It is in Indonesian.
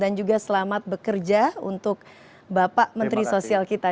dan juga selamat bekerja untuk bapak menteri sosial kita